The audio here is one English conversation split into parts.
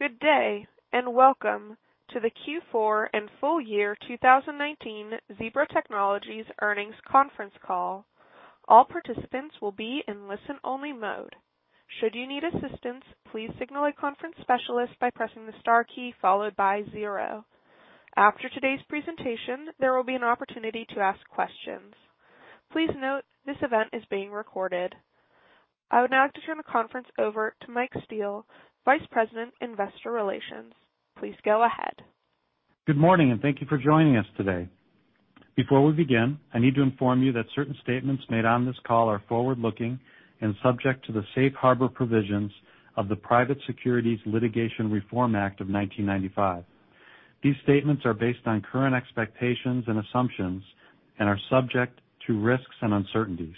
Good day, and welcome to the Q4 and full year 2019 Zebra Technologies earnings conference call. All participants will be in listen-only mode. Should you need assistance, please signal a conference specialist by pressing the star key followed by zero. After today's presentation, there will be an opportunity to ask questions. Please note this event is being recorded. I would now like to turn the conference over to Mike Steele, Vice President, Investor Relations. Please go ahead. Good morning, and thank you for joining us today. Before we begin, I need to inform you that certain statements made on this call are forward-looking and subject to the safe harbor provisions of the Private Securities Litigation Reform Act of 1995. These statements are based on current expectations and assumptions and are subject to risks and uncertainties.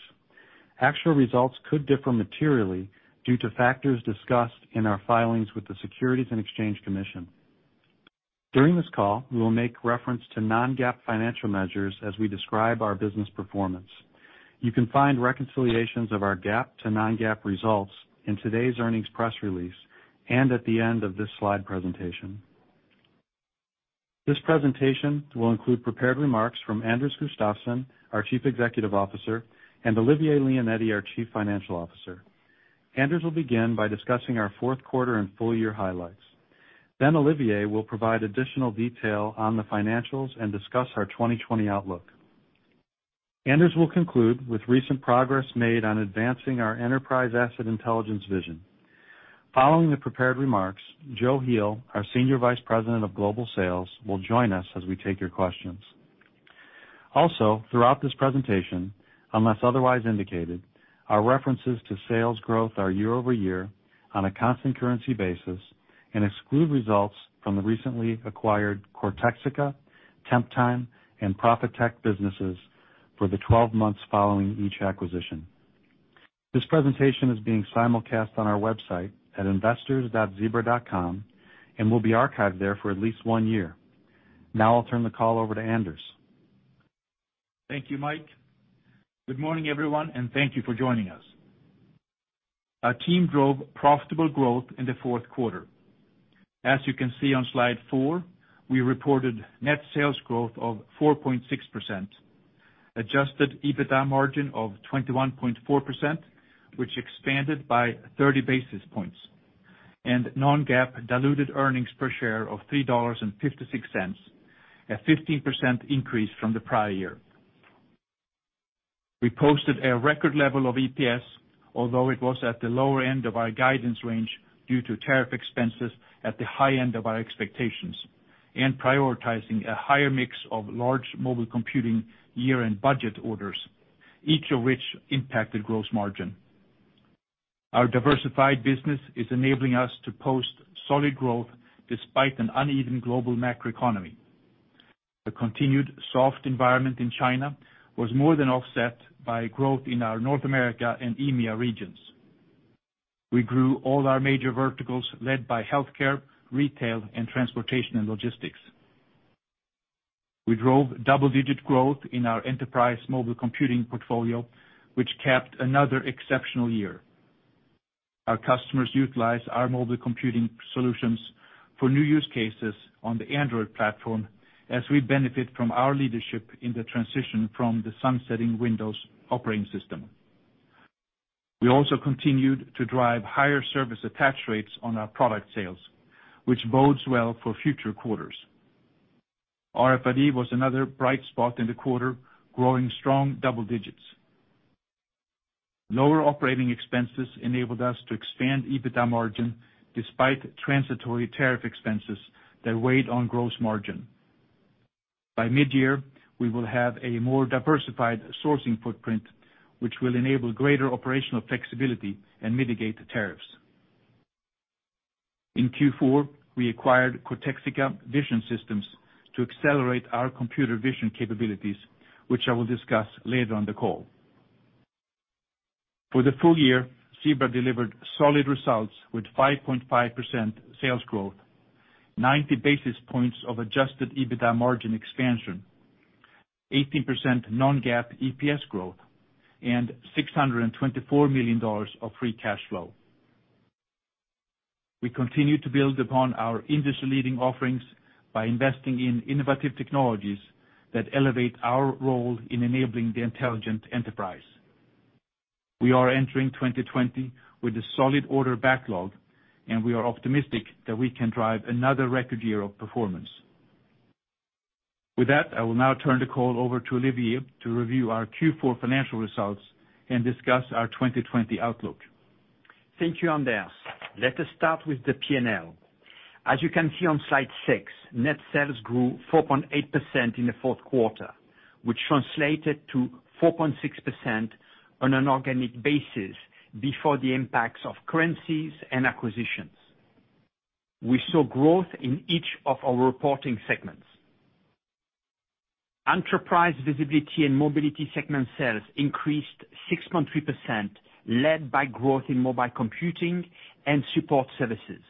Actual results could differ materially due to factors discussed in our filings with the Securities and Exchange Commission. During this call, we will make reference to non-GAAP financial measures as we describe our business performance. You can find reconciliations of our GAAP to non-GAAP results in today's earnings press release and at the end of this slide presentation. This presentation will include prepared remarks from Anders Gustafsson, our Chief Executive Officer, and Olivier Leonetti, our Chief Financial Officer. Anders will begin by discussing our fourth quarter and full-year highlights. Olivier will provide additional detail on the financials and discuss our 2020 outlook. Anders will conclude with recent progress made on advancing our enterprise asset intelligence vision. Following the prepared remarks, Joe Heel, our Senior Vice President of Global Sales, will join us as we take your questions. Also, throughout this presentation, unless otherwise indicated, our references to sales growth are year-over-year on a constant currency basis and exclude results from the recently acquired Cortexica, Temptime, and Profitect businesses for the 12 months following each acquisition. This presentation is being simulcast on our website at investors.zebra.com and will be archived there for at least one year. Now, I'll turn the call over to Anders. Thank you, Mike. Good morning, everyone, and thank you for joining us. Our team drove profitable growth in the fourth quarter. As you can see on slide four, we reported net sales growth of 4.6%, Adjusted EBITDA margin of 21.4%, which expanded by 30 basis points, and non-GAAP diluted earnings per share of $3.56, a 15% increase from the prior year. We posted a record level of EPS, although it was at the lower end of our guidance range due to tariff expenses at the high end of our expectations and prioritizing a higher mix of large mobile computing year-end budget orders, each of which impacted gross margin. Our diversified business is enabling us to post solid growth despite an uneven global macroeconomy. The continued soft environment in China was more than offset by growth in our North America and EMEA regions. We grew all our major verticals, led by healthcare, retail, and transportation and logistics. We drove double-digit growth in our enterprise mobile computing portfolio, which capped another exceptional year. Our customers utilize our mobile computing solutions for new use cases on the Android platform as we benefit from our leadership in the transition from the sunsetting Windows operating system. We also continued to drive higher service attach rates on our product sales, which bodes well for future quarters. RFID was another bright spot in the quarter, growing strong double digits. Lower operating expenses enabled us to expand EBITDA margin despite transitory tariff expenses that weighed on gross margin. By mid-year, we will have a more diversified sourcing footprint, which will enable greater operational flexibility and mitigate the tariffs. In Q4, we acquired Cortexica Vision Systems to accelerate our computer vision capabilities, which I will discuss later on the call. For the full year, Zebra delivered solid results with 5.5% sales growth, 90 basis points of Adjusted EBITDA margin expansion, 18% non-GAAP EPS growth, and $624 million of free cash flow. We continue to build upon our industry-leading offerings by investing in innovative technologies that elevate our role in enabling the intelligent enterprise. We are entering 2020 with a solid order backlog, and we are optimistic that we can drive another record year of performance. With that, I will now turn the call over to Olivier to review our Q4 financial results and discuss our 2020 outlook. Thank you, Anders. Let us start with the P&L. As you can see on slide six, net sales grew 4.8% in the fourth quarter, which translated to 4.6% on an organic basis before the impacts of currencies and acquisitions. We saw growth in each of our reporting segments. Enterprise Visibility & Mobility segment sales increased 6.3%, led by growth in mobile computing and support services.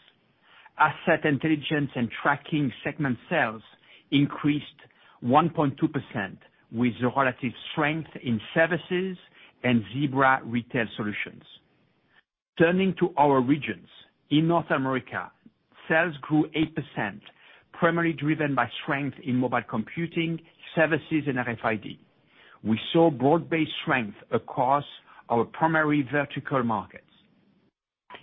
Asset Intelligence & Tracking segment sales increased 1.2% with relative strength in services and Zebra Retail Solutions. Turning to our regions. In North America, sales grew 8%, primarily driven by strength in mobile computing, services, and RFID. We saw broad-based strength across our primary vertical markets.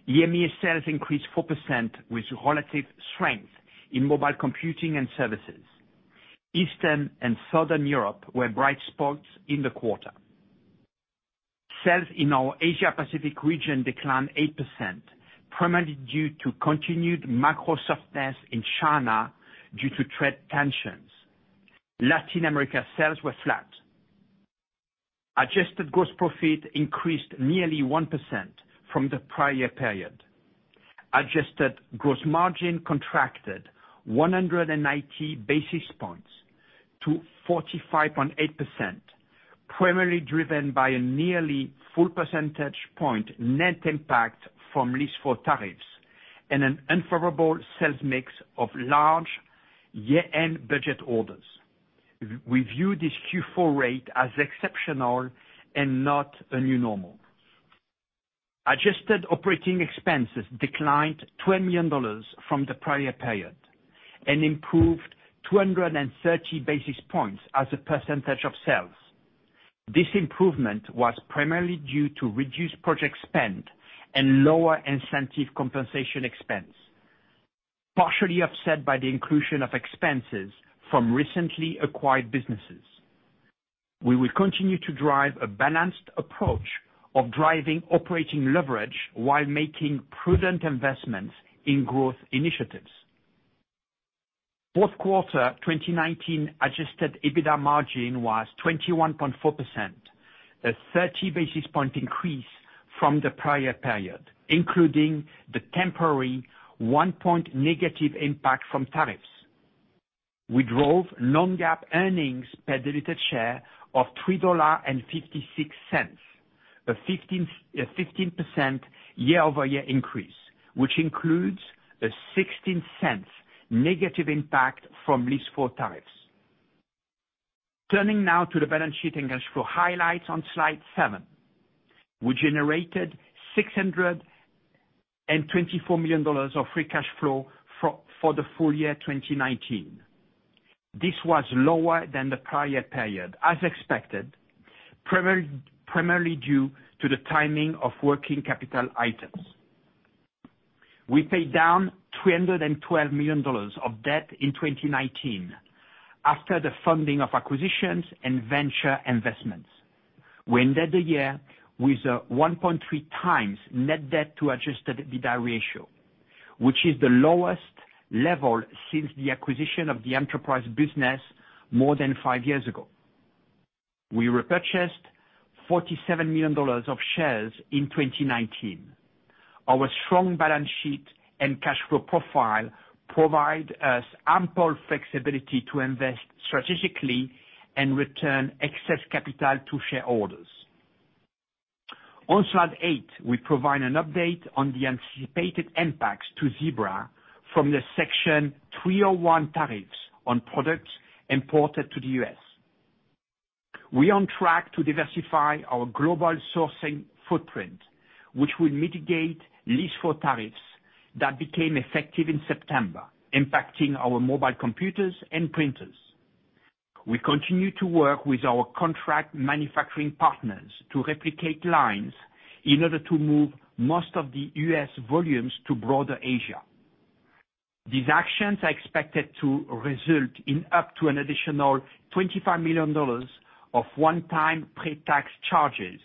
EMEA sales increased 4% with relative strength in mobile computing and services. Eastern and Southern Europe were bright spots in the quarter. Sales in our Asia Pacific region declined 8%, primarily due to continued macro softness in China due to trade tensions. Latin America sales were flat. Adjusted gross profit increased nearly 1% from the prior period. Adjusted gross margin contracted 190 basis points to 45.8%, primarily driven by a nearly full percentage point net impact from List 4 tariffs and an unfavorable sales mix of large year-end budget orders. We view this Q4 rate as exceptional and not a new normal. Adjusted operating expenses declined $20 million from the prior period and improved 230 basis points as a percentage of sales. This improvement was primarily due to reduced project spend and lower incentive compensation expense, partially offset by the inclusion of expenses from recently acquired businesses. We will continue to drive a balanced approach of driving operating leverage while making prudent investments in growth initiatives. Fourth quarter 2019 Adjusted EBITDA margin was 21.4%, a 30 basis point increase from the prior period, including the temporary one point negative impact from tariffs. We drove non-GAAP earnings per diluted share of $3.56, a 15% year-over-year increase, which includes a $0.16 negative impact from List 4 tariffs. Turning now to the balance sheet and cash flow highlights on slide seven. We generated $624 million of free cash flow for the full year 2019. This was lower than the prior period, as expected, primarily due to the timing of working capital items. We paid down $312 million of debt in 2019 after the funding of acquisitions and venture investments. We ended the year with a 1.3x net debt to Adjusted EBITDA ratio, which is the lowest level since the acquisition of the enterprise business more than five years ago. We repurchased $47 million of shares in 2019. Our strong balance sheet and cash flow profile provide us ample flexibility to invest strategically and return excess capital to shareholders. On slide eight, we provide an update on the anticipated impacts to Zebra from the Section 301 tariffs on products imported to the U.S. We are on track to diversify our global sourcing footprint, which will mitigate List 4 tariffs that became effective in September, impacting our mobile computers and printers. We continue to work with our contract manufacturing partners to replicate lines in order to move most of the U.S. volumes to broader Asia. These actions are expected to result in up to an additional $25 million of one-time pre-tax charges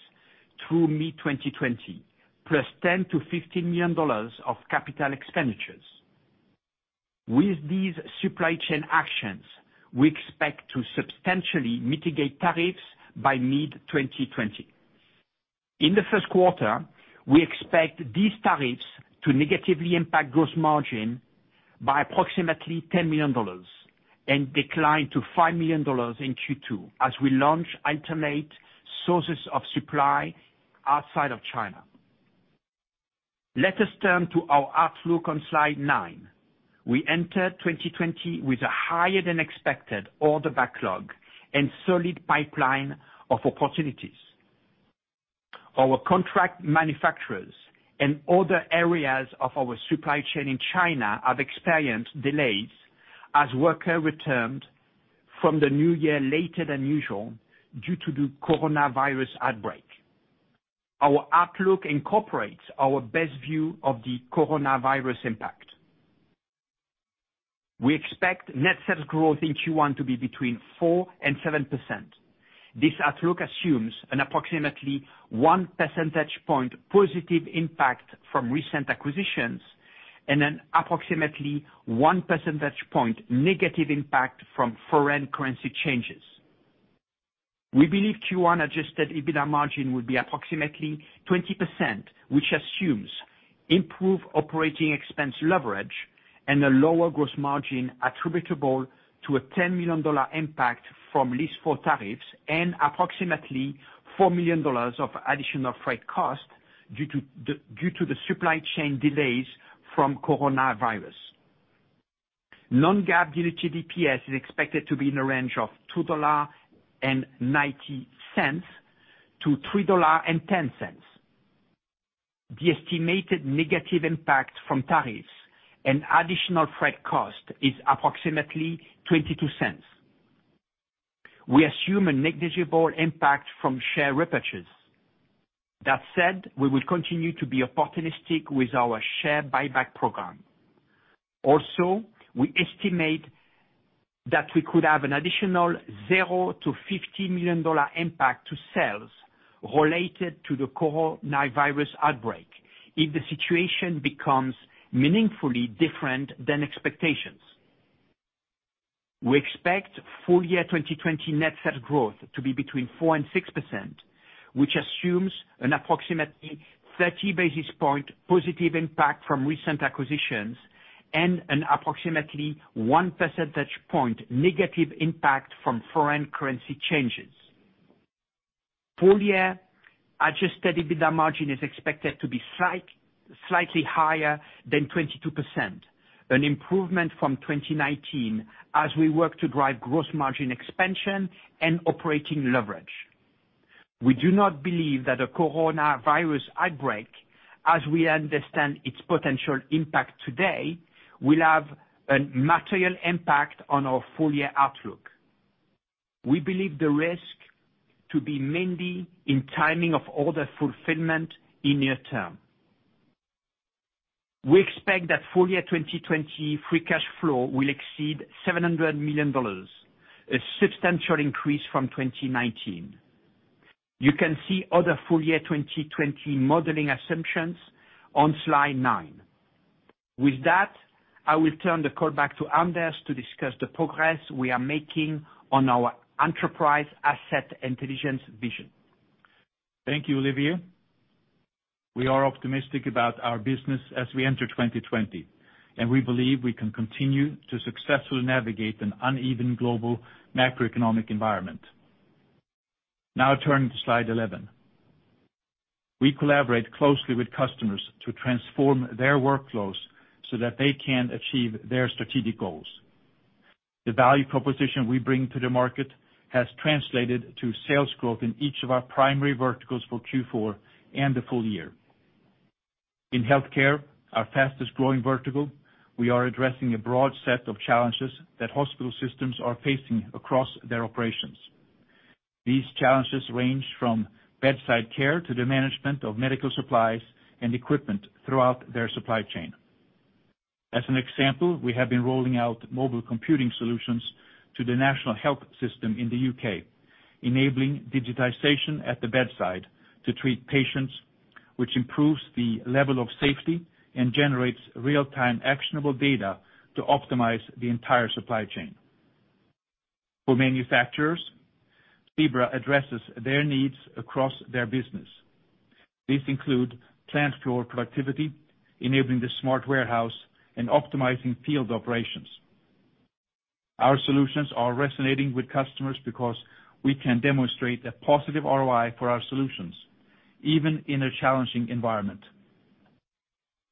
through mid-2020, plus $10 million-$15 million of capital expenditures. With these supply chain actions, we expect to substantially mitigate tariffs by mid-2020. In the first quarter, we expect these tariffs to negatively impact gross margin by approximately $10 million and decline to $5 million in Q2 as we launch alternate sources of supply outside of China. Let us turn to our outlook on slide nine. We enter 2020 with a higher than expected order backlog and solid pipeline of opportunities. Our contract manufacturers and other areas of our supply chain in China have experienced delays as workers returned from the new year later than usual due to the coronavirus outbreak. Our outlook incorporates our best view of the coronavirus impact. We expect net sales growth in Q1 to be between 4% and 7%. This outlook assumes an approximately 1 percentage point positive impact from recent acquisitions and an approximately 1 percentage point negative impact from foreign currency changes. We believe Q1 Adjusted EBITDA margin will be approximately 20%, which assumes improved operating expense leverage and a lower gross margin attributable to a $10 million impact from List 4 tariffs and approximately $4 million of additional freight costs due to the supply chain delays from coronavirus. Non-GAAP diluted EPS is expected to be in a range of $2.90-$3.10. The estimated negative impact from tariffs and additional freight cost is approximately $0.22. We assume a negligible impact from share repurchases. That said, we will continue to be opportunistic with our share buyback program. We estimate that we could have an additional 0-$50 million impact to sales related to the coronavirus outbreak if the situation becomes meaningfully different than expectations. We expect full year 2020 net sales growth to be between 4% and 6%, which assumes an approximately 30 basis point positive impact from recent acquisitions and an approximately 1 percentage point negative impact from foreign currency changes. Full year Adjusted EBITDA margin is expected to be slightly higher than 22%, an improvement from 2019 as we work to drive gross margin expansion and operating leverage. We do not believe that a coronavirus outbreak, as we understand its potential impact today, will have a material impact on our full year outlook. We believe the risk to be mainly in timing of order fulfillment in near term. We expect that full year 2020 free cash flow will exceed $700 million, a substantial increase from 2019. You can see other full year 2020 modeling assumptions on slide nine. With that, I will turn the call back to Anders to discuss the progress we are making on our Enterprise Asset Intelligence vision. Thank you, Olivier. We are optimistic about our business as we enter 2020, and we believe we can continue to successfully navigate an uneven global macroeconomic environment. Turning to slide 11. We collaborate closely with customers to transform their workflows so that they can achieve their strategic goals. The value proposition we bring to the market has translated to sales growth in each of our primary verticals for Q4 and the full year. In healthcare, our fastest growing vertical, we are addressing a broad set of challenges that hospital systems are facing across their operations. These challenges range from bedside care to the management of medical supplies and equipment throughout their supply chain. As an example, we have been rolling out mobile computing solutions to the national health system in the U.K., enabling digitization at the bedside to treat patients, which improves the level of safety and generates real-time actionable data to optimize the entire supply chain. For manufacturers, Zebra addresses their needs across their business. These include plant floor productivity, enabling the smart warehouse, and optimizing field operations. Our solutions are resonating with customers because we can demonstrate a positive ROI for our solutions, even in a challenging environment.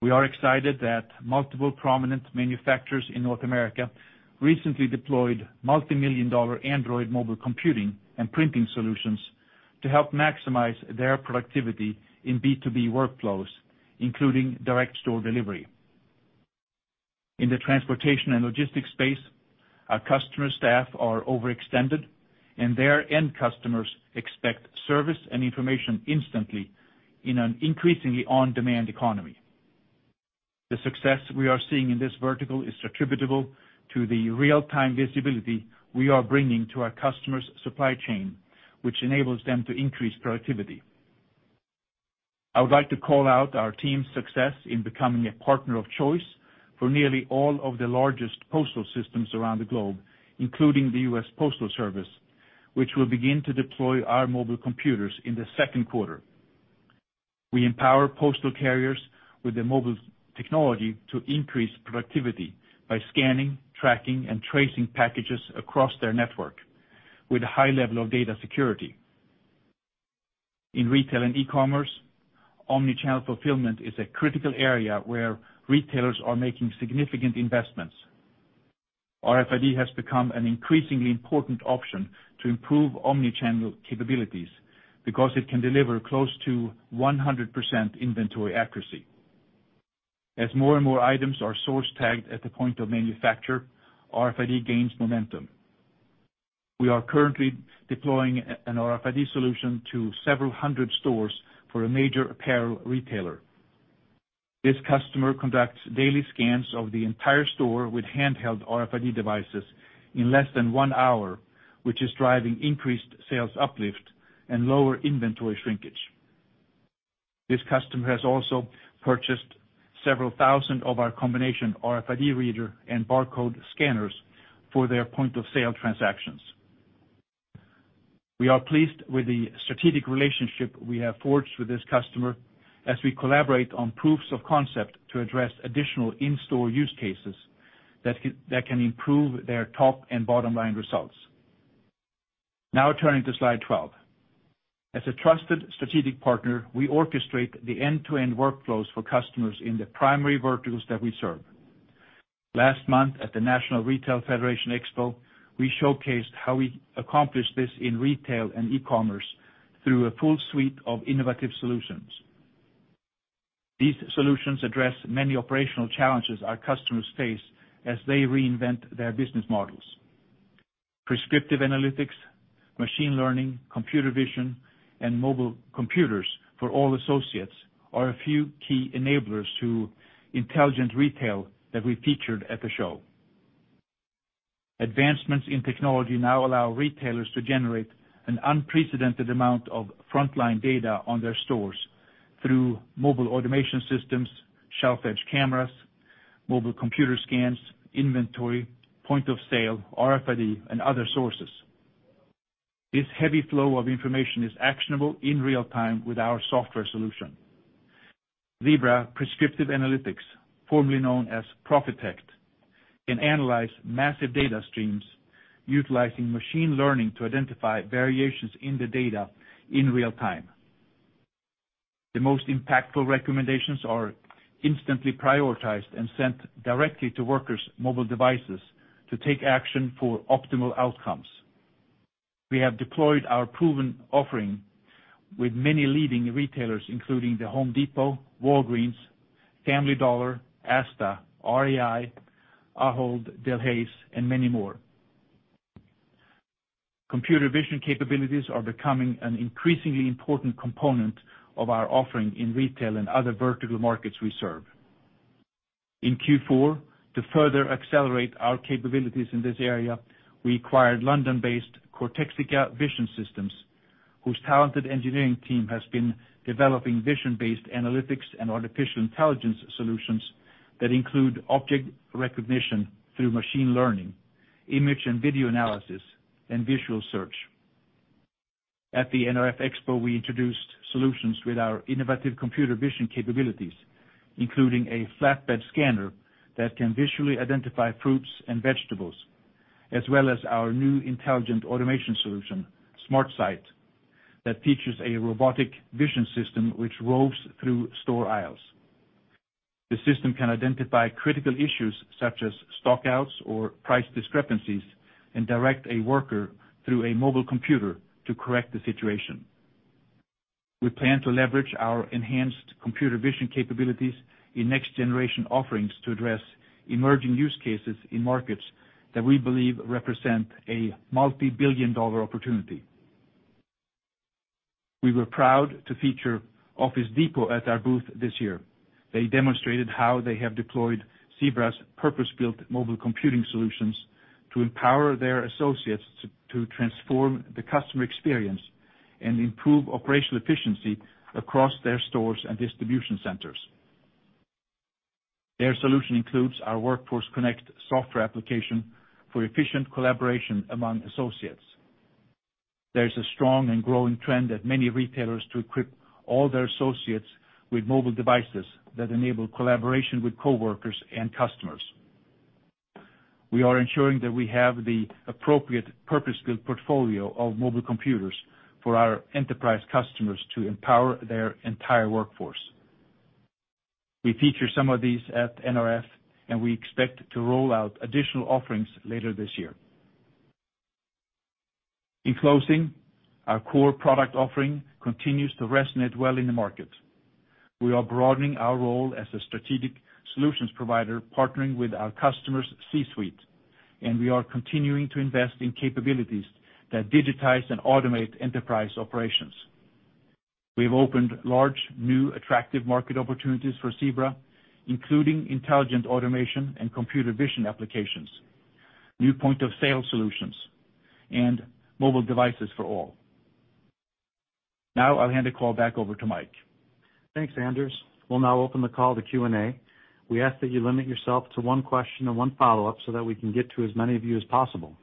We are excited that multiple prominent manufacturers in North America recently deployed multimillion-dollar Android mobile computing and printing solutions to help maximize their productivity in B2B workflows, including direct store delivery. In the transportation and logistics space, our customer staff are overextended, and their end customers expect service and information instantly in an increasingly on-demand economy. The success we are seeing in this vertical is attributable to the real-time visibility we are bringing to our customers' supply chain, which enables them to increase productivity. I would like to call out our team's success in becoming a partner of choice for nearly all of the largest postal systems around the globe, including the U.S Postal Service, which will begin to deploy our mobile computers in the second quarter. We empower postal carriers with the mobile technology to increase productivity by scanning, tracking, and tracing packages across their network with a high level of data security. In retail and e-commerce, omni-channel fulfillment is a critical area where retailers are making significant investments. RFID has become an increasingly important option to improve omni-channel capabilities because it can deliver close to 100% inventory accuracy. As more and more items are source-tagged at the point of manufacture, RFID gains momentum. We are currently deploying an RFID solution to several hundred stores for a major apparel retailer. This customer conducts daily scans of the entire store with handheld RFID devices in less than one hour, which is driving increased sales uplift and lower inventory shrinkage. This customer has also purchased several thousand of our combination RFID reader and barcode scanners for their point of sale transactions. We are pleased with the strategic relationship we have forged with this customer as we collaborate on proofs of concept to address additional in-store use cases that can improve their top and bottom line results. Now turning to slide 12. As a trusted strategic partner, we orchestrate the end-to-end workflows for customers in the primary verticals that we serve. Last month at the National Retail Federation Expo, we showcased how we accomplish this in retail and e-commerce through a full suite of innovative solutions. These solutions address many operational challenges our customers face as they reinvent their business models. Prescriptive analytics, machine learning, computer vision, and mobile computers for all associates are a few key enablers to intelligent retail that we featured at the show. Advancements in technology now allow retailers to generate an unprecedented amount of frontline data on their stores through mobile automation systems, shelf edge cameras, mobile computer scans, inventory, point of sale, RFID, and other sources. This heavy flow of information is actionable in real time with our software solution. Zebra Prescriptive Analytics, formerly known as Profitect, can analyze massive data streams utilizing machine learning to identify variations in the data in real time. The most impactful recommendations are instantly prioritized and sent directly to workers' mobile devices to take action for optimal outcomes. We have deployed our proven offering with many leading retailers, including The Home Depot, Walgreens, Family Dollar, Asda, REI, Ahold Delhaize, and many more. Computer vision capabilities are becoming an increasingly important component of our offering in retail and other vertical markets we serve. In Q4, to further accelerate our capabilities in this area, we acquired London-based Cortexica Vision Systems, whose talented engineering team has been developing vision-based analytics and artificial intelligence solutions that include object recognition through machine learning, image and video analysis, and visual search. At the NRF Expo, we introduced solutions with our innovative computer vision capabilities, including a flatbed scanner that can visually identify fruits and vegetables, as well as our new intelligent automation solution, SmartSight, that features a robotic vision system which roves through store aisles. The system can identify critical issues such as stockouts or price discrepancies and direct a worker through a mobile computer to correct the situation. We plan to leverage our enhanced computer vision capabilities in next generation offerings to address emerging use cases in markets that we believe represent a multi-billion dollar opportunity. We were proud to feature Office Depot at our booth this year. They demonstrated how they have deployed Zebra's purpose-built mobile computing solutions to empower their associates to transform the customer experience and improve operational efficiency across their stores and distribution centers. Their solution includes our Workforce Connect software application for efficient collaboration among associates. There is a strong and growing trend that many retailers to equip all their associates with mobile devices that enable collaboration with coworkers and customers. We are ensuring that we have the appropriate purpose-built portfolio of mobile computers for our enterprise customers to empower their entire workforce. We feature some of these at NRF. We expect to roll out additional offerings later this year. In closing, our core product offering continues to resonate well in the market. We are broadening our role as a strategic solutions provider, partnering with our customers' C-suite. We are continuing to invest in capabilities that digitize and automate enterprise operations. We've opened large, new, attractive market opportunities for Zebra, including intelligent automation and computer vision applications, new point of sale solutions, and mobile devices for all. Now, I'll hand the call back over to Mike. Thanks, Anders. We'll now open the call to Q&A. We ask that you limit yourself to one question and one follow-up so that we can get to as many of you as possible.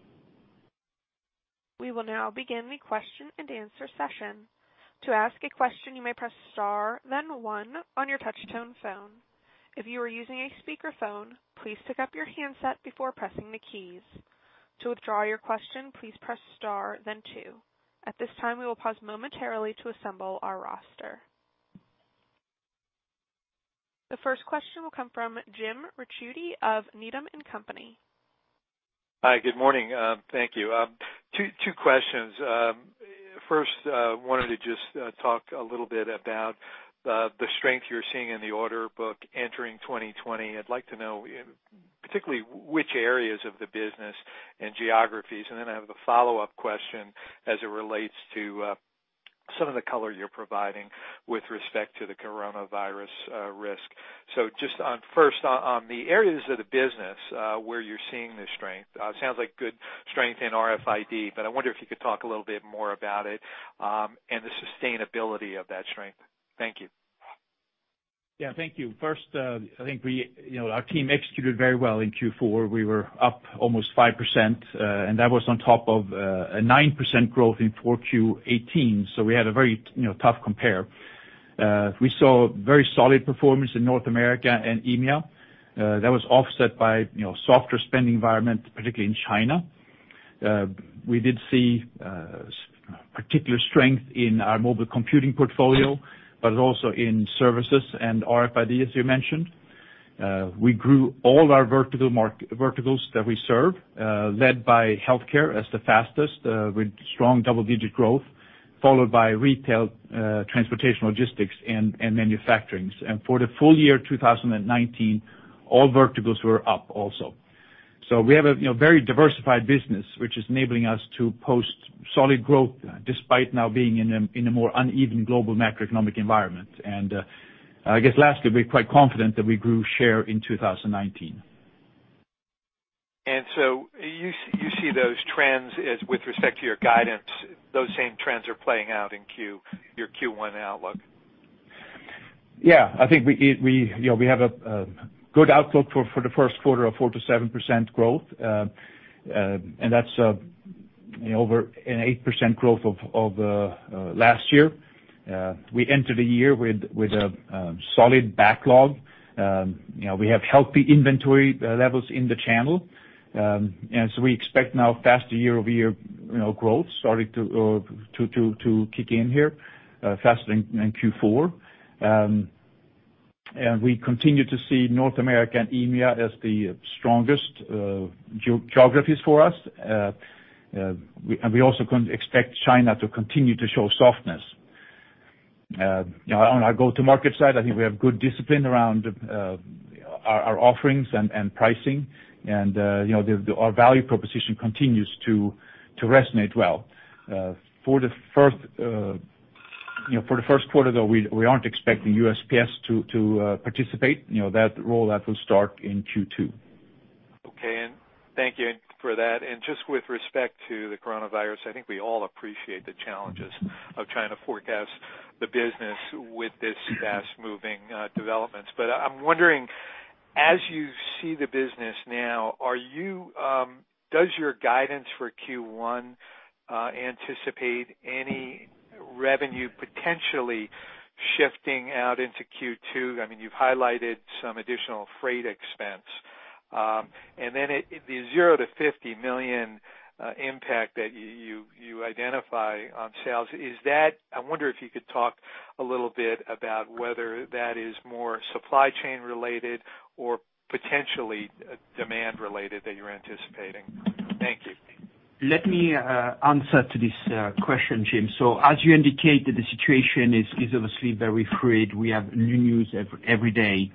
We will now begin the question and answer session. To ask a question, you may press star then one on your touch tone phone. If you are using a speakerphone, please pick up your handset before pressing the keys. To withdraw your question, please press star then two. At this time, we will pause momentarily to assemble our roster. The first question will come from Jim Ricchiuti of Needham & Company. Hi, good morning. Thank you. Two questions. First, wanted to just talk a little bit about the strength you're seeing in the order book entering 2020. I'd like to know particularly which areas of the business and geographies. I have a follow-up question as it relates to some of the color you're providing with respect to the coronavirus risk. Just on first, on the areas of the business, where you're seeing the strength. Sounds like good strength in RFID, I wonder if you could talk a little bit more about it, and the sustainability of that strength. Thank you. Thank you. First, I think our team executed very well in Q4. We were up almost 5%, and that was on top of a 9% growth in 4Q 2018. We had a very tough compare. We saw very solid performance in North America and EMEA. That was offset by softer spending environment, particularly in China. We did see particular strength in our mobile computing portfolio, but also in services and RFID, as you mentioned. We grew all our verticals that we serve, led by healthcare as the fastest, with strong double-digit growth, followed by retail, transportation, logistics, and manufacturing. For the full year 2019, all verticals were up also. We have a very diversified business, which is enabling us to post solid growth despite now being in a more uneven global macroeconomic environment. I guess lastly, we're quite confident that we grew share in 2019. You see those trends as with respect to your guidance, those same trends are playing out in your Q1 outlook. Yeah. I think we have a good outlook for the first quarter of 4%-7% growth. That's over an 8% growth of last year. We entered the year with a solid backlog. We have healthy inventory levels in the channel. We expect now faster year-over-year growth starting to kick in here, faster than Q4. We continue to see North America and EMEA as the strongest geographies for us. We also expect China to continue to show softness. On our go-to-market side, I think we have good discipline around our offerings and pricing. Our value proposition continues to resonate well. For the first quarter, though, we aren't expecting USPS to participate. That rollout will start in Q2. Okay. Thank you for that. Just with respect to the coronavirus, I think we all appreciate the challenges of trying to forecast the business with this fast-moving developments. I'm wondering, as you see the business now, are you, does your guidance for Q1 anticipate any revenue potentially shifting out into Q2? You've highlighted some additional freight expense. The 0 to $50 million impact that you identify on sales, I wonder if you could talk a little bit about whether that is more supply chain related or potentially demand related that you're anticipating. Thank you. Let me answer to this question, Jim. As you indicated, the situation is obviously very fluid. We have new news every day.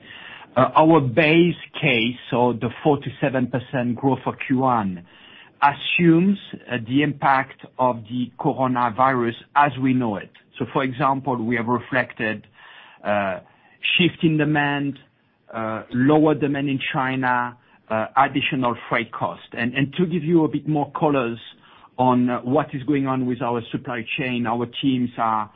Our base case, the 4%-7% growth for Q1, assumes the impact of the coronavirus as we know it. For example, we have reflected shift in demand, lower demand in China, additional freight cost. To give you a bit more colors on what is going on with our supply chain, our teams are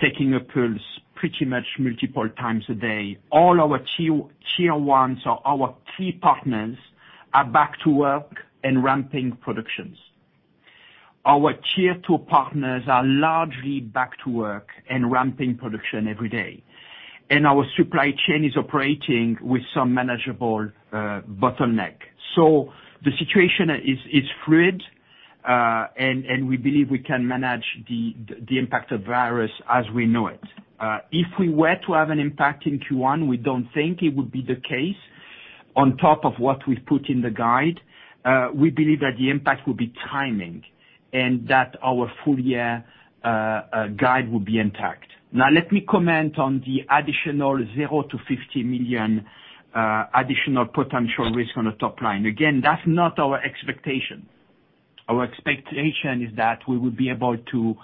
taking a pulse pretty much multiple times a day. All our tier 1s or our key partners are back to work and ramping productions. Our tier 2 partners are largely back to work and ramping production every day. Our supply chain is operating with some manageable bottleneck. So, the situation is fluid, and we believe we can manage the impact of virus as we know it. If we were to have an impact in Q1, we don't think it would be the case on top of what we've put in the guide. We believe that the impact will be timing, and that our full year guide will be intact. Let me comment on the additional 0 to $50 million additional potential risk on the top line. That's not our expectation. Our expectation is that we will be able to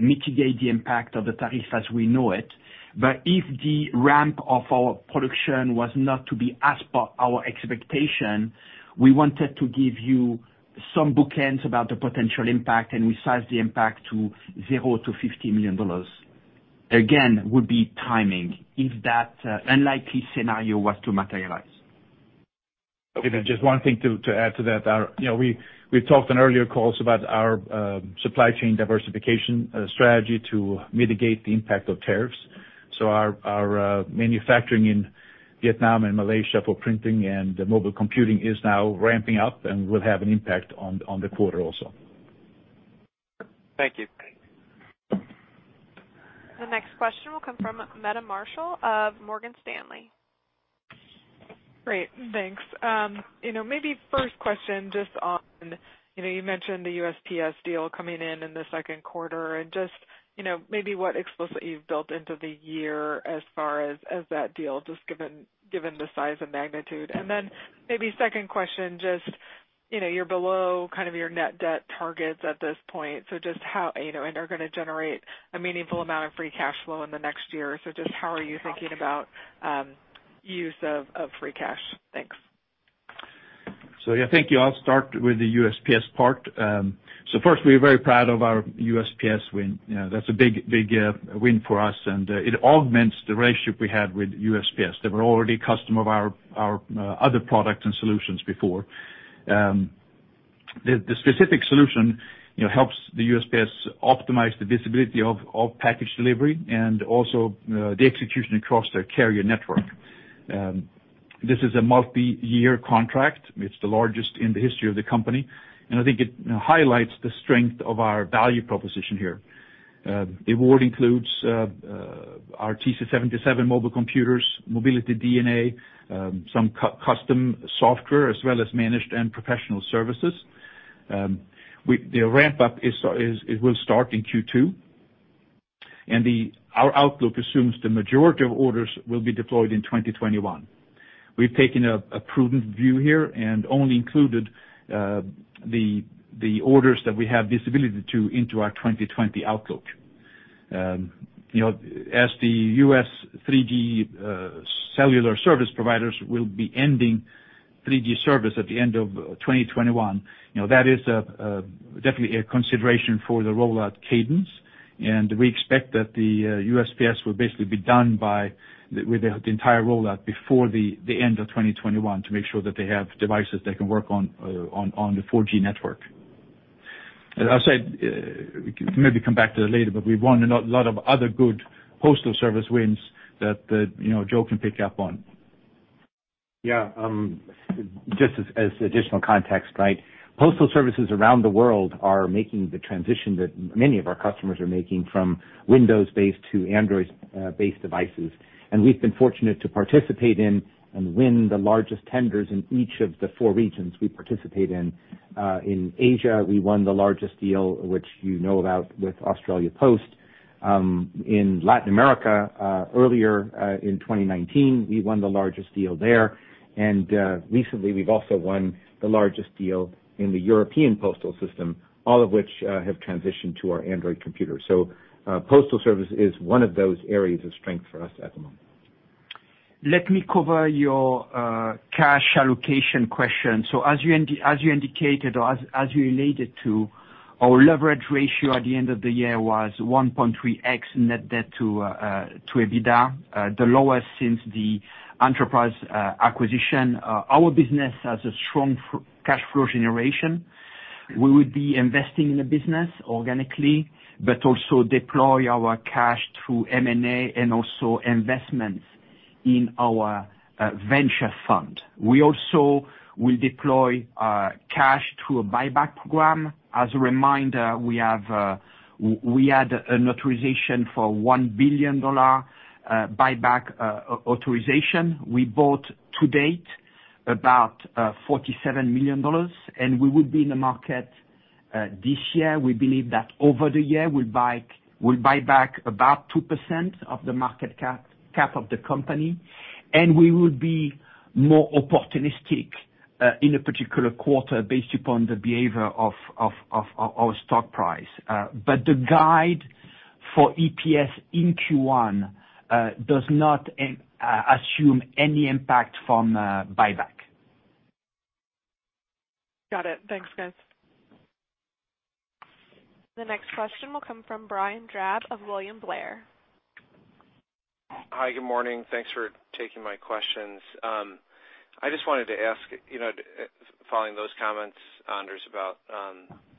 mitigate the impact of the tariff as we know it. If the ramp of our production was not to be as per our expectation, we wanted to give you some bookends about the potential impact, and we sized the impact to 0 to $50 million. Would be timing if that unlikely scenario was to materialize. Okay. Just one thing to add to that. We talked on earlier calls about our supply chain diversification strategy to mitigate the impact of tariffs. Our manufacturing in Vietnam and Malaysia for printing and mobile computing is now ramping up and will have an impact on the quarter also. Thank you. The next question will come from Meta Marshall of Morgan Stanley. Great. Thanks. Maybe first question just on, you mentioned the USPS deal coming in in the second quarter and just maybe what explicitly you've built into the year as far as that deal, just given the size and magnitude. Maybe second question, just, you're below kind of your net debt targets at this point, and are going to generate a meaningful amount of free cash flow in the next year. Just how are you thinking about use of free cash? Thanks. So you think, I'll start with the USPS part. First, we're very proud of our USPS win. That's a big win for us, and it augments the relationship we had with USPS. They were already a customer of our other products and solutions before. The specific solution helps the USPS optimize the visibility of package delivery and also the execution across their carrier network. This is a multi-year contract. It's the largest in the history of the company, and I think it highlights the strength of our value proposition here. The award includes our TC77 mobile computers, Mobility DNA, some custom software, as well as managed and professional services. The ramp-up will start in Q2, and our outlook assumes the majority of orders will be deployed in 2021. We've taken a prudent view here and only included the orders that we have visibility to into our 2020 outlook. As the U.S. 3G cellular service providers will be ending 3G service at the end of 2021, that is definitely a consideration for the rollout cadence. We expect that the USPS will basically be done with the entire rollout before the end of 2021 to make sure that they have devices that can work on the 4G network. As I said, we can maybe come back to it later. We've won a lot of other good postal service wins that Joe can pick up on. Just as additional context, postal services around the world are making the transition that many of our customers are making from Windows-based to Android-based devices. We've been fortunate to participate in and win the largest tenders in each of the four regions we participate in. In Asia, we won the largest deal, which you know about with Australia Post. In Latin America, earlier in 2019, we won the largest deal there. Recently, we've also won the largest deal in the European postal system, all of which have transitioned to our Android computer. Postal service is one of those areas of strength for us at the moment. Let me cover your cash allocation question. As you indicated, or as you related to our leverage ratio at the end of the year was 1.3x net debt to EBITDA, the lowest since the Enterprise acquisition. Our business has a strong cash flow generation. We will be investing in the business organically, but also deploy our cash through M&A and also investments in our venture fund. We also will deploy cash through a buyback program. As a reminder, we had an authorization for $1 billion below buyback authorization. We bought, to date, about $47 million, and we will be in the market this year. We believe that over the year, we'll buy back about 2% of the market cap of the company, and we will be more opportunistic in a particular quarter based upon the behavior of our stock price. The guide for EPS in Q1 does not assume any impact from buyback. Got it. Thanks, guys. The next question will come from Brian Drab of William Blair. Hi, good morning. Thanks for taking my questions. I just wanted to ask, following those comments, Anders, about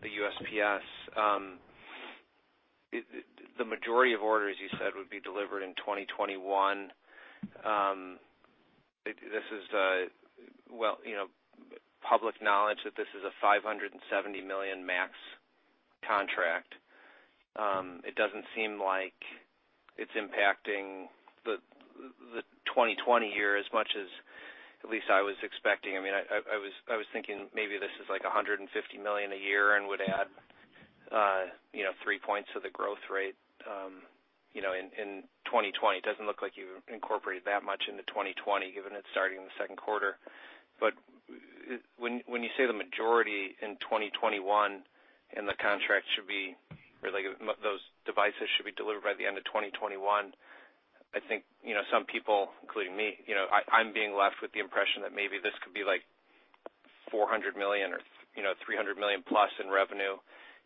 the USPS. The majority of orders you said would be delivered in 2021. This is public knowledge that this is a $570 million max contract. It doesn't seem like it's impacting the 2020 year as much as at least I was expecting. I was thinking maybe this is like $150 million a year and would add three points to the growth rate in 2020. It doesn't look like you incorporated that much into 2020, given it's starting in the second quarter. When you say the majority in 2021 and those devices should be delivered by the end of 2021, I think some people, including me, I'm being left with the impression that maybe this could be like $400 million or $300 million plus in revenue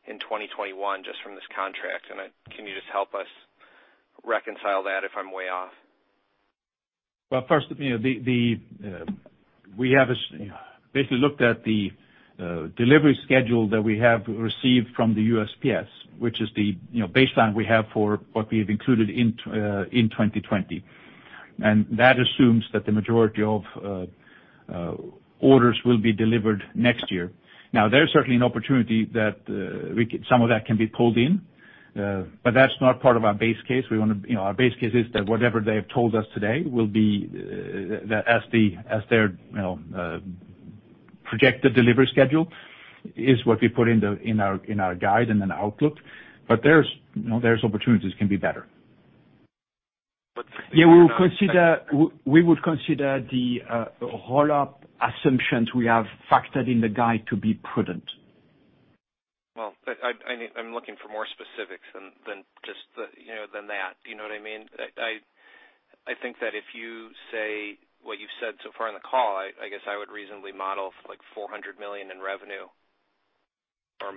in 2021 just from this contract. Can you just help us reconcile that if I'm way off? First, we have basically looked at the delivery schedule that we have received from the USPS, which is the baseline we have for what we have included in 2020. That assumes that the majority of orders will be delivered next year. There's certainly an opportunity that some of that can be pulled in, but that's not part of our base case. Our base case is that whatever they have told us today, as their projected delivery schedule, is what we put in our guide and then outlook. There's opportunities. It can be better. Yeah, we would consider the rollout assumptions we have factored in the guide to be prudent. Well, I'm looking for more specifics than that. Do you know what I mean? I think that if you say what you've said so far on the call, I guess I would reasonably model like $400 million in revenue.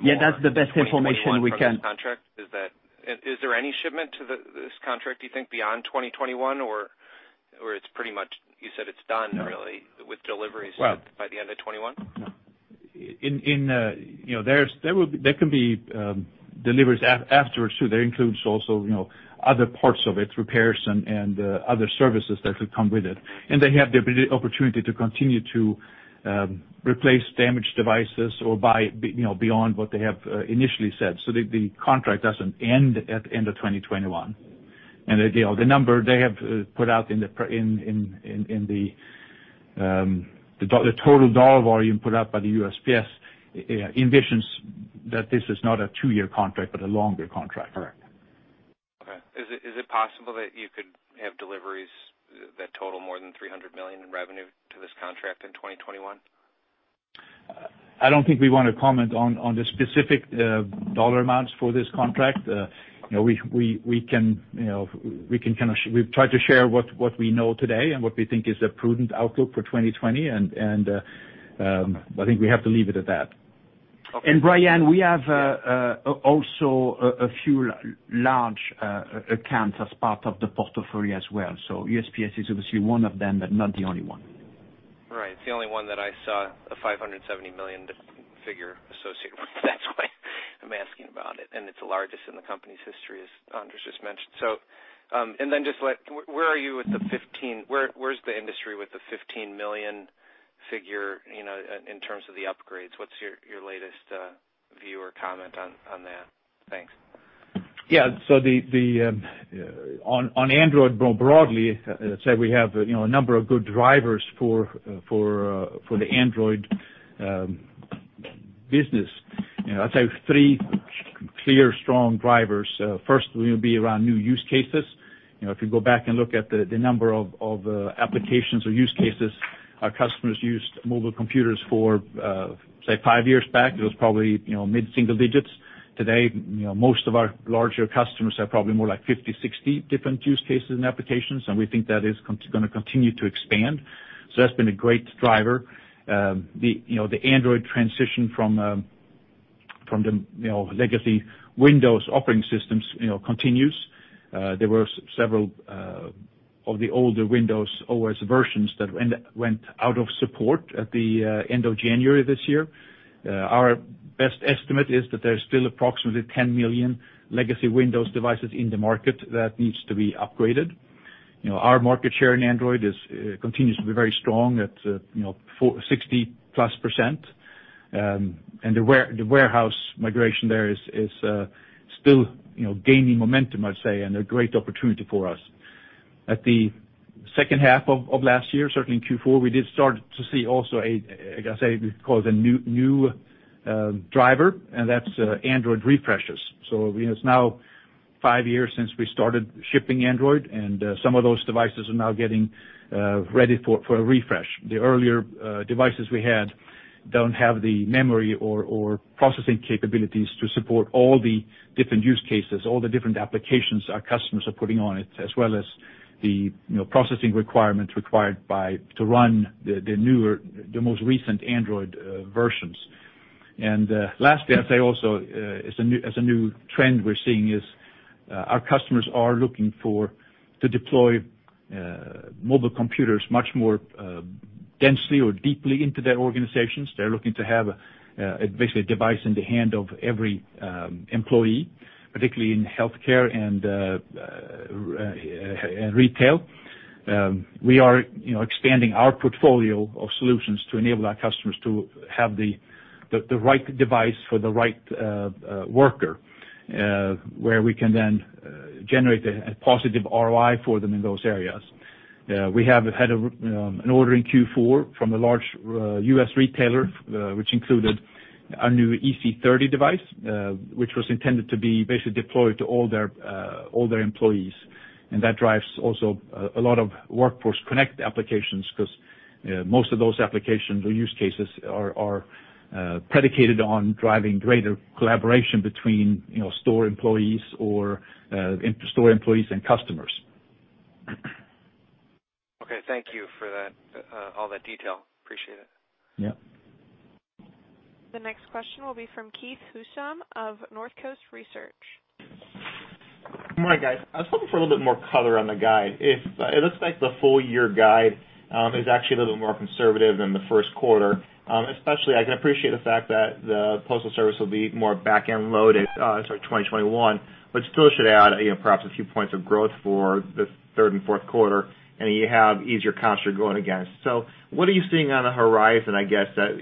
Yeah, that's the best information we can. 2021 from this contract. Is there any shipment to this contract, you think, beyond 2021, or it's pretty much, you said it's done- No. ...with deliveries by the end of 2021? No. There can be deliveries afterwards, too. That includes also other parts of it, repairs and other services that could come with it. They have the opportunity to continue to replace damaged devices or buy beyond what they have initially said. The contract doesn't end at the end of 2021. The number they have put out in the total dollar volume put out by the USPS, envisions that this is not a two-year contract, but a longer contract. Correct. Okay. Is it possible that you could have deliveries that total more than $300 million in revenue to this contract in 2021? I don't think we want to comment on the specific dollar amounts for this contract. We've tried to share what we know today and what we think is a prudent outlook for 2020, and I think we have to leave it at that. Okay. Brian, we have also a few large accounts as part of the portfolio as well. USPS is obviously one of them, but not the only one. Right. It's the only one that I saw a $570 million figure associated with. That's why I'm asking about it, and it's the largest in the company's history, as Anders just mentioned. Just where's the industry with the 15 million figure in terms of the upgrades? What's your latest view or comment on that? Thanks. Yeah. On Android, more broadly, say we have a number of good drivers for the Android business. I'd say three clear, strong drivers. First will be around new use cases. If you go back and look at the number of applications or use cases our customers used mobile computers for, say, five years back, it was probably mid-single digits. Today, most of our larger customers have probably more like 50-60 different use cases and applications. We think that is going to continue to expand. That's been a great driver. The Android transition from the legacy Windows Operating Systems continues. There were several of the older Windows OS versions that went out of support at the end of January this year. Our best estimate is that there's still approximately 10 million legacy Windows devices in the market that needs to be upgraded. Our market share in Android continues to be very strong at 60-plus%. The warehouse migration there is still gaining momentum, I'd say, and a great opportunity for us. At the second half of last year, certainly in Q4, we did start to see also, like I say, we call the new driver, and that's Android refreshes. It's now five years since we started shipping Android, and some of those devices are now getting ready for a refresh. The earlier devices we had don't have the memory or processing capabilities to support all the different use cases, all the different applications our customers are putting on it, as well as the processing requirements required to run the most recent Android versions. Lastly, I'd say also, as a new trend we're seeing is our customers are looking to deploy mobile computers much more densely or deeply into their organizations. They're looking to have basically a device in the hand of every employee, particularly in healthcare and retail. We are expanding our portfolio of solutions to enable our customers to have the right device for the right worker, where we can then generate a positive ROI for them in those areas. We have had an order in Q4 from a large U.S. retailer, which included a new EC30 device, which was intended to be basically deployed to all their employees. That drives also a lot of Workforce Connect applications because most of those applications or use cases are predicated on driving greater collaboration between store employees and customers. Okay. Thank you for all that detail. Appreciate it. Yeah. The next question will be from Keith Housum of Northcoast Research. Good morning, guys. I was hoping for a little bit more color on the guide. It looks like the full-year guide is actually a little bit more conservative than the first quarter. Especially, I can appreciate the fact that the Postal Service will be more back-end loaded toward 2021, which still should add perhaps a few points of growth for the third and fourth quarter, and you have easier comps you're going against. What are you seeing on the horizon, I guess, that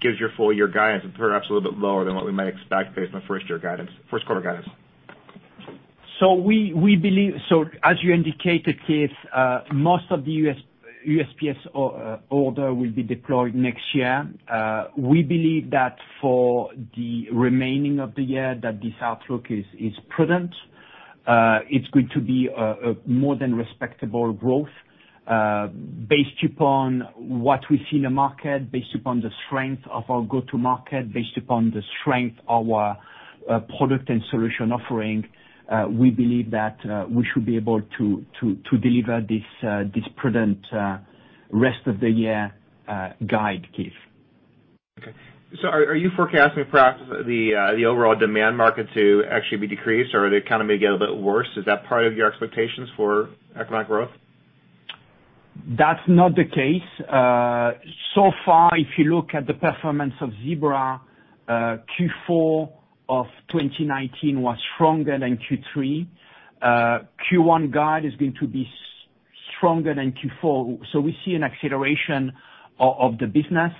gives your full-year guidance perhaps a little bit lower than what we might expect based on first quarter guidance? So, we believe, as you indicated, Keith, most of the USPS order will be deployed next year. We believe that for the remaining of the year, that this outlook is prudent. It's going to be a more than respectable growth, based upon what we see in the market, based upon the strength of our go-to market. Product and solution offering, we believe that we should be able to deliver this prudent rest of the year guide, Keith. Okay. Are you forecasting perhaps the overall demand market to actually be decreased or the economy get a bit worse? Is that part of your expectations for economic growth? That's not the case. So far, if you look at the performance of Zebra, Q4 of 2019 was stronger than Q3. Q1 guide is going to be stronger than Q4. We see an acceleration of the business.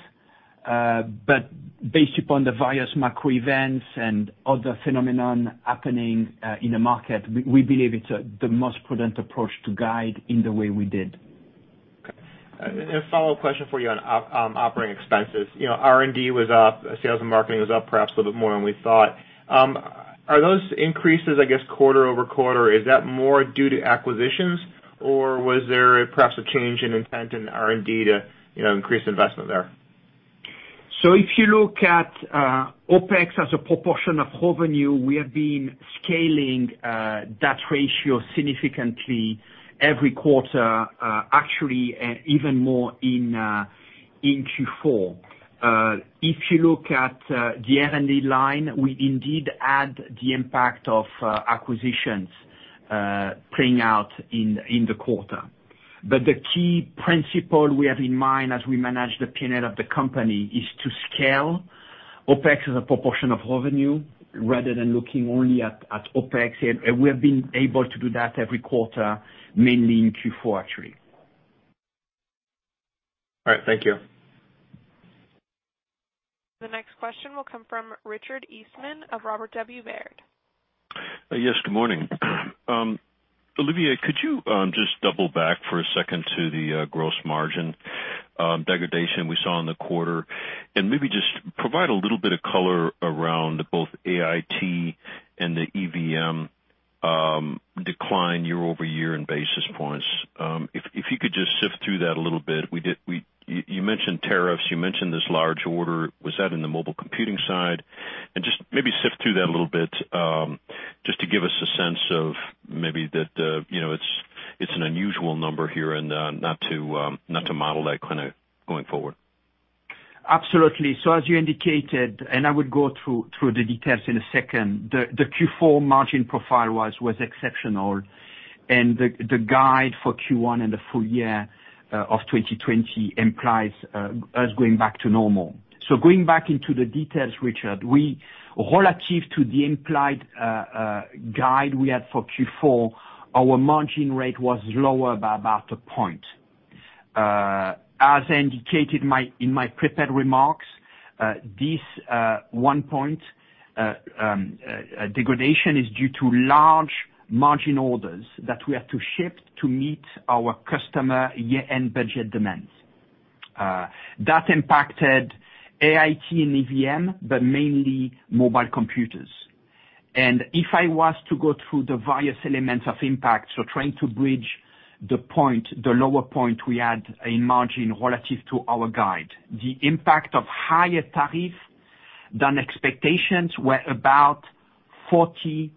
Based upon the various macro events and other phenomenon happening in the market, we believe it's the most prudent approach to guide in the way we did. Okay. A follow-up question for you on operating expenses. R&D was up, sales and marketing was up perhaps a little bit more than we thought. Are those increases, I guess quarter-over-quarter, is that more due to acquisitions or was there perhaps a change in intent in R&D to increase investment there? If you look at OpEx as a proportion of revenue, we have been scaling that ratio significantly every quarter, actually even more in Q4. If you look at the R&D line, we indeed add the impact of acquisitions playing out in the quarter. The key principle we have in mind as we manage the P&L of the company is to scale OpEx as a proportion of revenue rather than looking only at OpEx. We have been able to do that every quarter, mainly in Q4, actually. All right. Thank you. The next question will come from Richard Eastman of Robert W. Baird. Yes, good morning. Olivier, could you just double back for a second to the gross margin degradation we saw in the quarter, and maybe just provide a little bit of color around both AIT and the EVM decline year-over-year in basis points? If you could just sift through that a little bit. You mentioned tariffs, you mentioned this large order. Was that in the mobile computing side? Just maybe sift through that a little bit, just to give us a sense of maybe that it's an unusual number here and not to model that going forward. Absolutely. As you indicated, and I would go through the details in a second, the Q4 margin profile was exceptional and the guide for Q1 and the full year of 2020 implies us going back to normal. Going back into the details, Richard, we relative to the implied guide we had for Q4, our margin rate was lower by about a point. As indicated in my prepared remarks, this one point degradation is due to large margin orders that we have to ship to meet our customer year-end budget demands. That impacted AIT and EVM, but mainly mobile computers. If I was to go through the various elements of impact, so trying to bridge the lower point we had in margin relative to our guide, the impact of higher tariff than expectations were about 40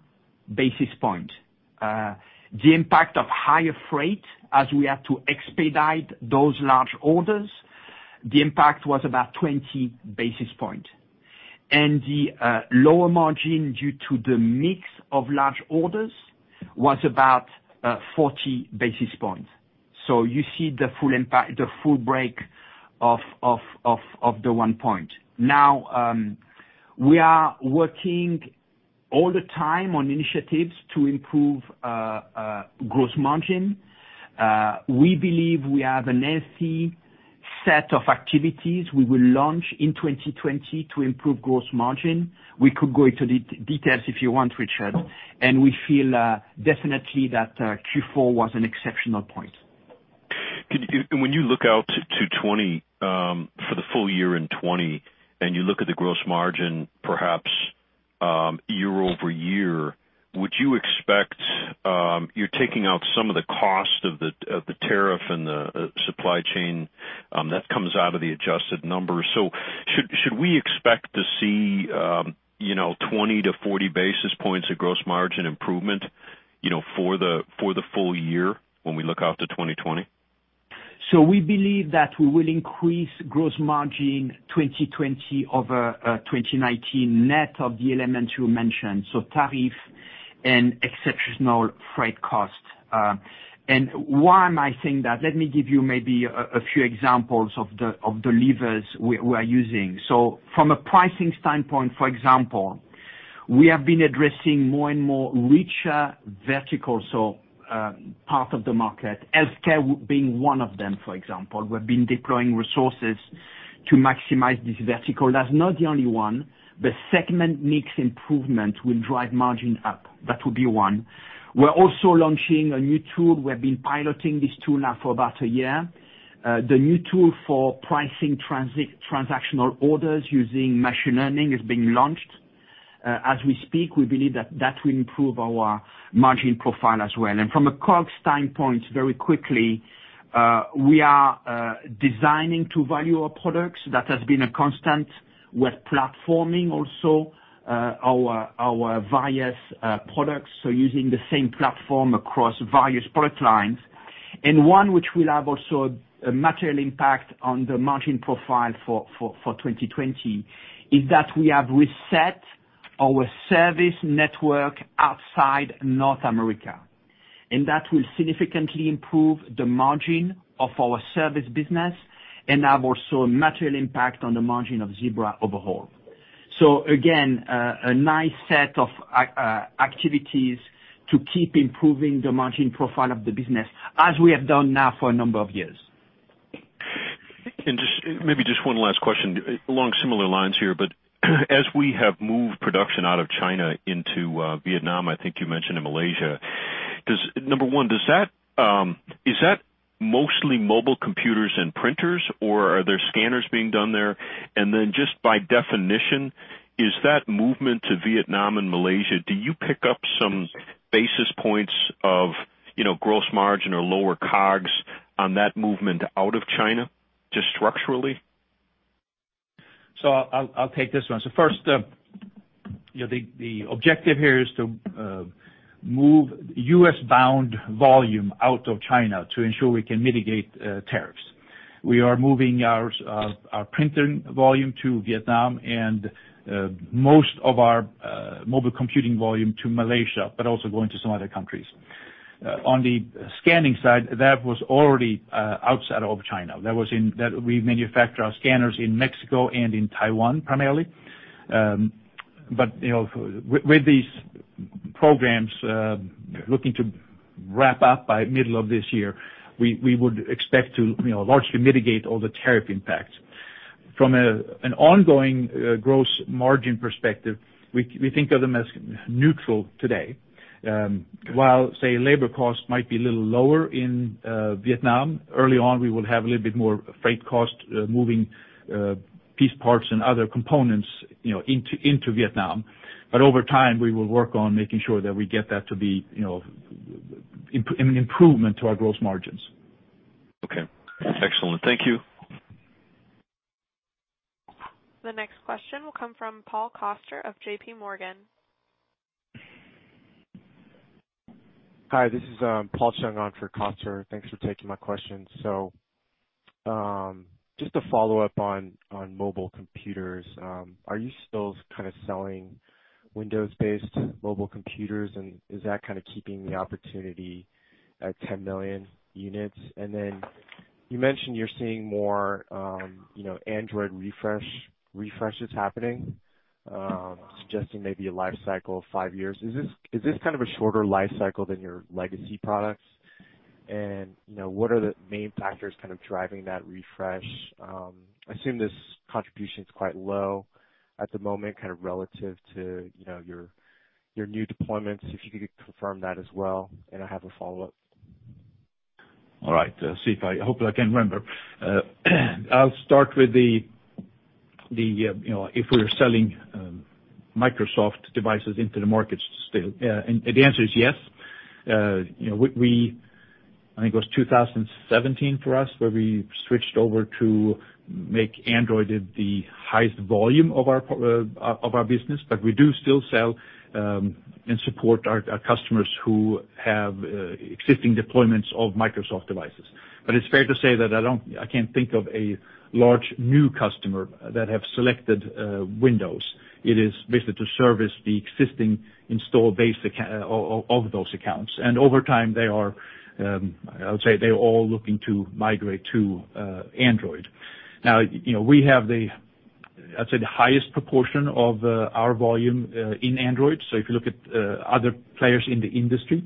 basis points. The impact of higher freight as we had to expedite those large orders, the impact was about 20 basis points, and the lower margin due to the mix of large orders was about 40 basis points. You see the full break of the one point. We are working all the time on initiatives to improve gross margin. We believe we have a healthy set of activities we will launch in 2020 to improve gross margin. We could go into the details if you want, Richard, and we feel definitely that Q4 was an exceptional point. When you look out to 2020, for the full year in 2020, and you look at the gross margin perhaps year-over-year, you're taking out some of the cost of the tariff and the supply chain that comes out of the adjusted numbers. Should we expect to see 20-40 basis points of gross margin improvement for the full year when we look out to 2020? We believe that we will increase gross margin 2020 over 2019 net of the elements you mentioned, so tariff and exceptional freight cost. Why am I saying that? Let me give you maybe a few examples of the levers we are using. From a pricing standpoint, for example, we have been addressing more and more richer verticals or part of the market, healthcare being one of them, for example. We've been deploying resources to maximize this vertical. That's not the only one. The segment mix improvement will drive margin up. That would be one. We're also launching a new tool. We have been piloting this tool now for about a year. The new tool for pricing transactional orders using machine learning is being launched. As we speak, we believe that that will improve our margin profile as well. From a COGS time point, very quickly, we are designing to value our products. That has been a constant. We're platforming also our various products, so using the same platform across various product lines. One which will have also a material impact on the margin profile for 2020 is that we have reset our service network outside North America, and that will significantly improve the margin of our service business and have also a material impact on the margin of Zebra overhaul. Again, a nice set of activities to keep improving the margin profile of the business as we have done now for a number of years. Maybe just one last question along similar lines here, but as we have moved production out of China into Vietnam, I think you mentioned, and Malaysia, number one, is that mostly mobile computers and printers, or are there scanners being done there? Then just by definition, is that movement to Vietnam and Malaysia, do you pick up some basis points of gross margin or lower COGS on that movement out of China, just structurally? I'll take this one. First, the objective here is to move U.S.-bound volume out of China to ensure we can mitigate tariffs. We are moving our printing volume to Vietnam and most of our mobile computing volume to Malaysia, but also going to some other countries. On the scanning side, that was already outside of China. We manufacture our scanners in Mexico and in Taiwan primarily, but, you know, with these programs looking to wrap up by middle of this year, we would expect to largely mitigate all the tariff impacts. From an ongoing gross margin perspective, we think of them as neutral today. While, say, labor costs might be a little lower in Vietnam, early on, we will have a little bit more freight cost moving piece parts and other components into Vietnam. Over time, we will work on making sure that we get that to be an improvement to our gross margins. Okay. Excellent. Thank you. The next question will come from Paul Coster of JPMorgan. Hi, this is Paul Chung on for Coster. Thanks for taking my question. Just to follow up on mobile computers. Are you still kind of selling Windows-based mobile computers, and is that kind of keeping the opportunity at 10 million units? You mentioned you're seeing more Android refreshes happening, suggesting maybe a life cycle of five years. Is this kind of a shorter life cycle than your legacy products? What are the main factors kind of driving that refresh? I assume this contribution is quite low at the moment, kind of relative to your new deployments, if you could confirm that as well. I have a follow-up. All right. I hope I can remember. I'll start with if we're selling Microsoft devices into the markets still. The answer is yes. I think it was 2017 for us where we switched over to make Android the highest volume of our business, but we do still sell and support our customers who have existing deployments of Microsoft devices. It's fair to say that I can't think of a large new customer that have selected Windows. It is basically to service the existing install base of those accounts. Over time, I would say they're all looking to migrate to Android. Now, we have the, I'd say, the highest proportion of our volume in Android. If you look at other players in the industry,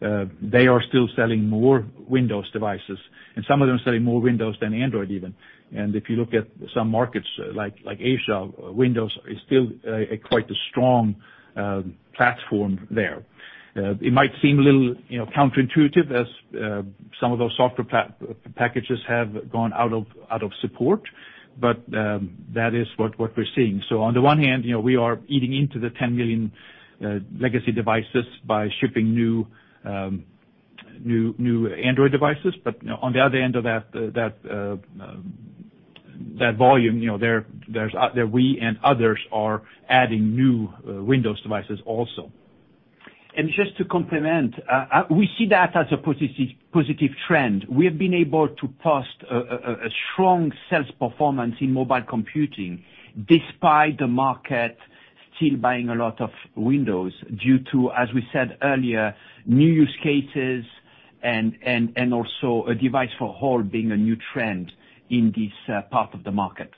they are still selling more Windows devices, and some of them selling more Windows than Android even. If you look at some markets like Asia, Windows is still quite a strong platform there. It might seem a little counterintuitive as some of those software packages have gone out of support, but that is what we're seeing. On the one hand, we are eating into the 10 million legacy devices by shipping new Android devices. On the other end of that volume, we and others are adding new Windows devices also. Just to complement, we see that as a positive trend. We have been able to post a strong sales performance in mobile computing despite the market still buying a lot of Windows due to, as we said earlier, new use cases and also a device for hold being a new trend in this part of the market.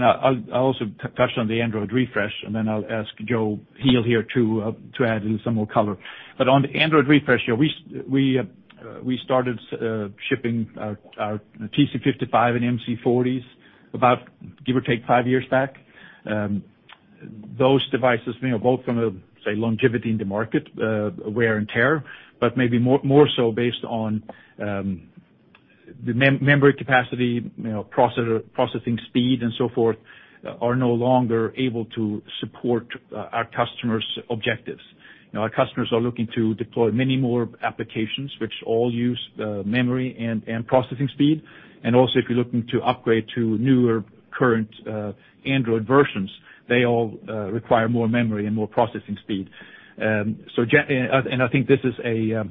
I'll also touch on the Android refresh, then I'll ask Joe Heel here to add in some more color. On the Android refresh, we started shipping our TC55 and MC40 about give or take five years back. Those devices both from a, say, longevity in the market, wear and tear, but maybe more so based on the memory capacity, processing speed, and so forth, are no longer able to support our customers' objectives. Our customers are looking to deploy many more applications which all use memory and processing speed. Also, if you're looking to upgrade to newer current Android versions, they all require more memory and more processing speed. I think this is a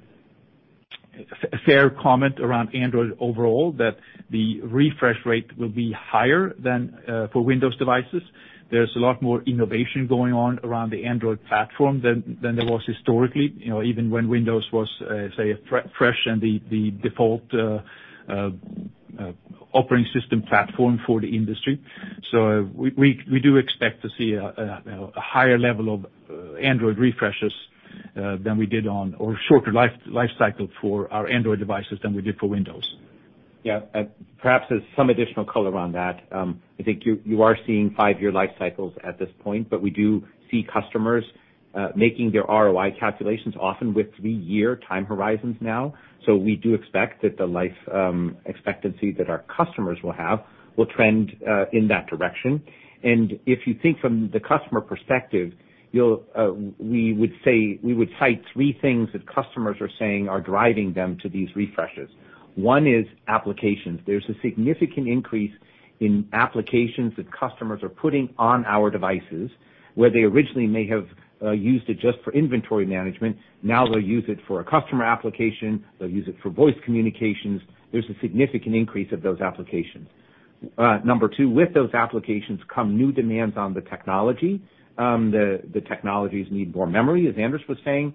fair comment around Android overall, that the refresh rate will be higher than for Windows devices. There's a lot more innovation going on around the Android platform than there was historically, even when Windows was, say, fresh and the default operating system platform for the industry. We do expect to see a higher level of Android refreshes than we did, or shorter life cycle for our Android devices than we did for Windows. Perhaps as some additional color on that, I think you are seeing five-year life cycles at this point, but we do see customers making their ROI calculations, often with three-year time horizons now. We do expect that the life expectancy that our customers will have, will trend in that direction. If you think from the customer perspective, we would cite three things that customers are saying are driving them to these refreshes. One is applications. There's a significant increase in applications that customers are putting on our devices, where they originally may have used it just for inventory management, now they'll use it for a customer application, they'll use it for voice communications. There's a significant increase of those applications. Number two, with those applications come new demands on the technology. The technologies need more memory, as Anders was saying,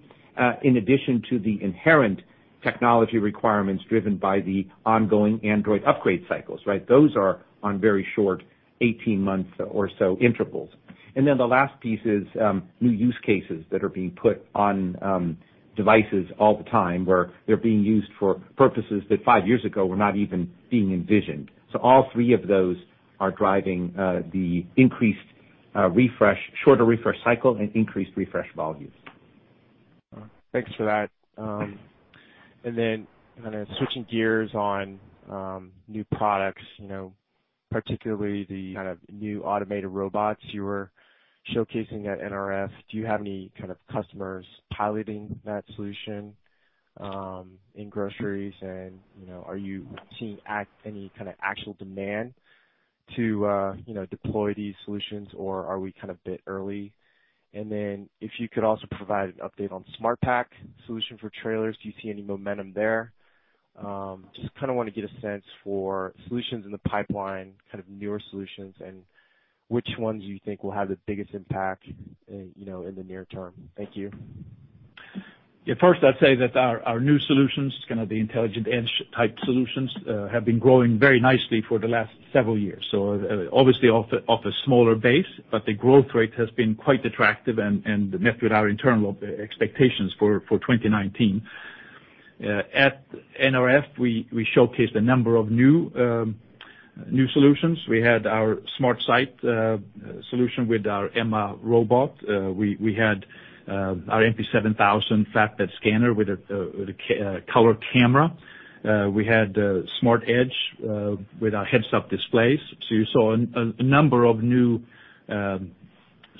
in addition to the inherent technology requirements driven by the ongoing Android upgrade cycles, right? Those are on very short, 18 months or so, intervals. The last piece is, new use cases that are being put on devices all the time, where they're being used for purposes that five years ago were not even being envisioned. All three of those are driving the increased shorter refresh cycle and increased refresh volumes. Thanks for that. Kind of switching gears on new products, particularly the kind of new automated robots you were showcasing at NRF, do you have any kind of customers piloting that solution, in groceries? Are you seeing any kind of actual demand to deploy these solutions, or are we kind of a bit early? If you could also provide an update on SmartPack solution for trailers. Do you see any momentum there? Just kind of want to get a sense for solutions in the pipeline, kind of newer solutions, and which ones you think will have the biggest impact in the near term. Thank you. First, I'd say that our new solutions, kind of the Intelligent Edge Solutions, have been growing very nicely for the last several years. Obviously off a smaller base, but the growth rate has been quite attractive and met with our internal expectations for 2019. At NRF, we showcased a number of new solutions. We had our SmartSight solution with our EMA robot. We had our MP7000 flatbed scanner with a color camera. We had Smart Edge, with our heads-up displays. You saw a number of new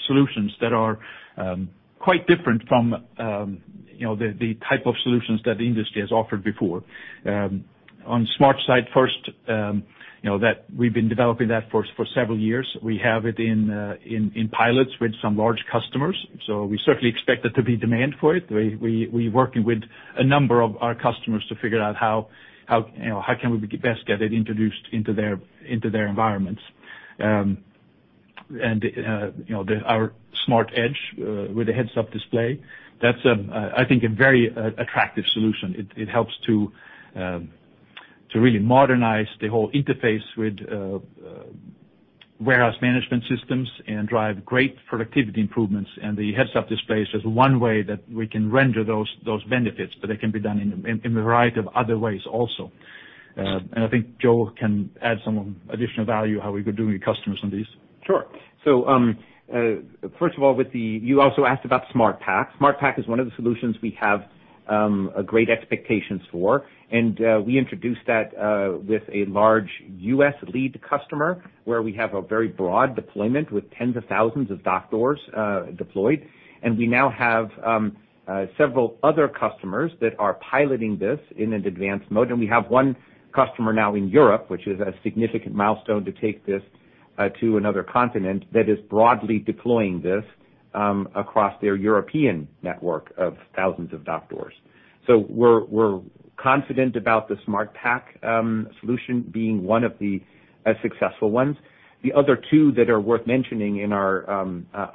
solutions that are quite different from the type of solutions that the industry has offered before. On SmartSight first, we've been developing that for several years. We have it in pilots with some large customers, we certainly expect there to be demand for it. We're working with a number of our customers to figure out how can we best get it introduced into their environments. Our Smart Edge, with the heads-up display, that's, I think, a very attractive solution. It helps to really modernize the whole interface with warehouse management systems and drive great productivity improvements. The heads-up displays is one way that we can render those benefits, but they can be done in a variety of other ways also. I think Joe can add some additional value how we've been doing with customers on these. Sure. First of all, you also asked about SmartPack. SmartPack is one of the solutions we have great expectations for, and we introduced that with a large U.S. lead customer where we have a very broad deployment with tens of thousands of dock doors deployed. We now have several other customers that are piloting this in an advanced mode. We have one customer now in Europe, which is a significant milestone to take this to another continent, that is broadly deploying this, across their European network of thousands of dock doors. We're confident about the SmartPack solution being one of the successful ones. The other two that are worth mentioning in our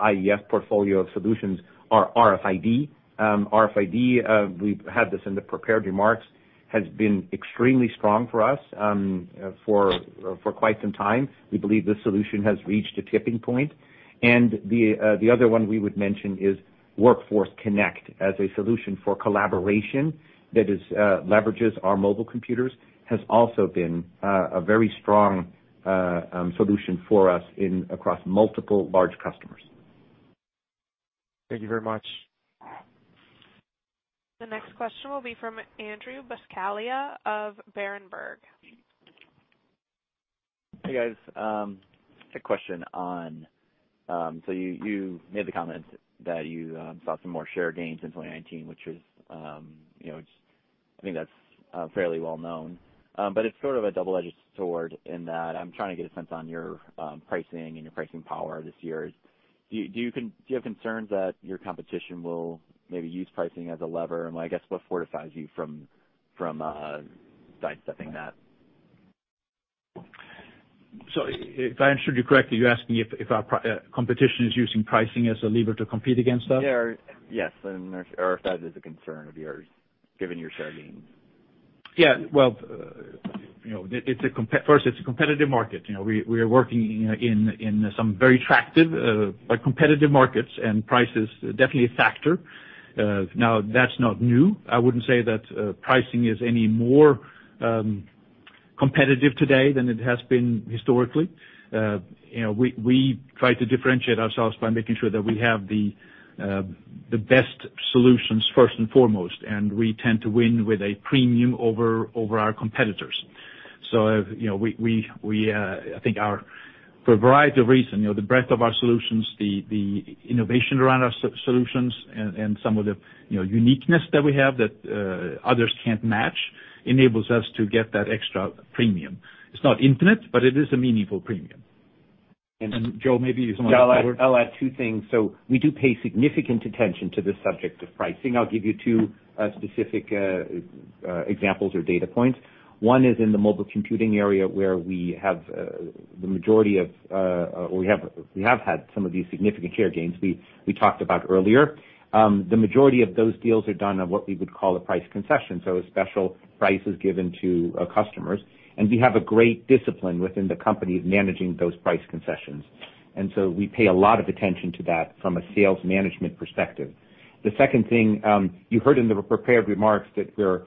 IES portfolio of solutions are RFID. RFID, we had this in the prepared remarks, has been extremely strong for us for quite some time. We believe this solution has reached a tipping point. The other one we would mention is Workforce Connect as a solution for collaboration that leverages our mobile computers, has also been a very strong solution for us across multiple large customers. Thank you very much. The next question will be from Andrew Buscaglia of Berenberg. Hey, guys. A question on, you made the comment that you saw some more share gains in 2019, which is, I think that's fairly well-known. It's sort of a double-edged sword in that I'm trying to get a sense on your pricing and your pricing power this year. Do you have concerns that your competition will maybe use pricing as a lever? I guess what fortifies you from sidestepping that? If I understood you correctly, you're asking if our competition is using pricing as a lever to compete against us? Yes. If that is a concern of yours, given your share gains. Yeah. Well, first, it's a competitive market. We are working in some very attractive, but competitive markets, and price is definitely a factor. Now, that's not new. I wouldn't say that pricing is any more competitive today than it has been historically. We try to differentiate ourselves by making sure that we have the best solutions first and foremost, and we tend to win with a premium over our competitors. I think our, for a variety of reasons, the breadth of our solutions, the innovation around our solutions, and some of the uniqueness that we have that others can't match, enables us to get that extra premium. It's not infinite, but it is a meaningful premium. And Joe, maybe you want to elaborate? I'll add two things. We do pay significant attention to the subject of pricing. I'll give you two specific examples or data points. One is in the mobile computing area, where we have had some of these significant share gains we talked about earlier. The majority of those deals are done on what we would call a price concession, so a special price is given to customers, and we have a great discipline within the company of managing those price concessions. We pay a lot of attention to that from a sales management perspective. The second thing, you heard in the prepared remarks that we're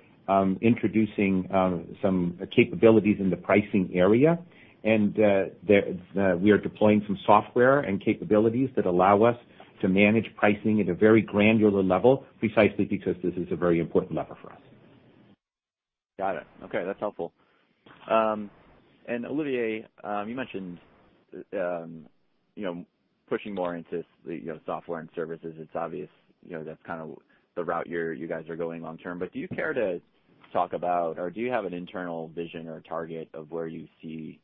introducing some capabilities in the pricing area, and that we are deploying some software and capabilities that allow us to manage pricing at a very granular level, precisely because this is a very important lever for us. Got it. Okay, that's helpful. Olivier, you mentioned pushing more into software and services. It's obvious that's kind of the route you guys are going long term, but do you care to talk about, or do you have an internal vision or target of where you see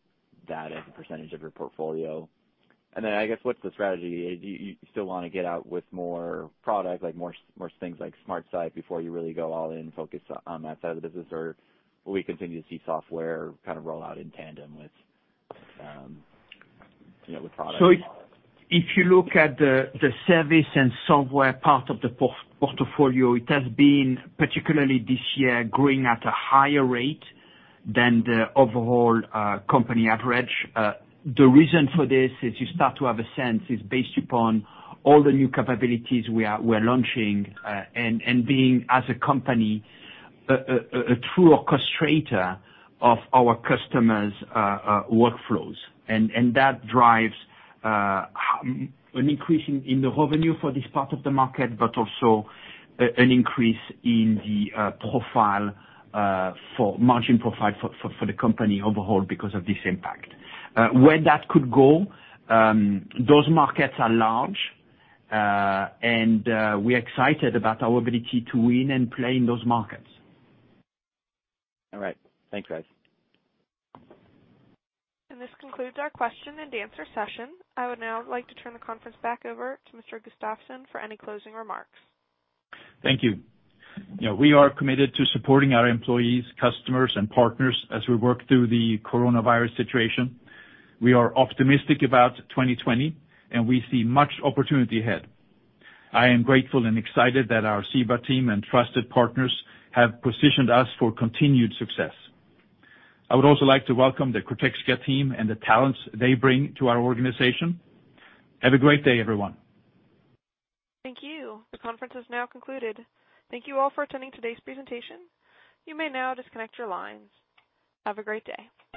that as a percentage of your portfolio? I guess, what's the strategy? Do you still want to get out with more product, like more things like SmartSight before you really go all in focus on that side of the business, or will we continue to see software kind of roll out in tandem with product? If you look at the service and software part of the portfolio, it has been, particularly this year, growing at a higher rate than the overall company average. The reason for this is you start to have a sense is based upon all the new capabilities we're launching, and being as a company, a true orchestrator of our customers' workflows. That drives an increase in the revenue for this part of the market, but also an increase in the margin profile for the company overall because of this impact. Where that could go, those markets are large, and we're excited about our ability to win and play in those markets. All right. Thanks, guys. This concludes our question-and-answer session. I would now like to turn the conference back over to Mr. Gustafsson for any closing remarks. Thank you. We are committed to supporting our employees, customers, and partners as we work through the coronavirus situation. We are optimistic about 2020, and we see much opportunity ahead. I am grateful and excited that our Zebra team and trusted partners have positioned us for continued success. I would also like to welcome the Cortexica team and the talents they bring to our organization. Have a great day, everyone. Thank you. The conference has now concluded. Thank you all for attending today's presentation. You may now disconnect your lines. Have a great day.